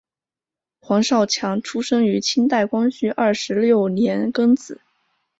黄少强出生于清代光绪二十六年庚子。